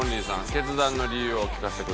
決断の理由を聞かせてください。